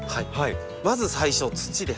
まず最初「土」です。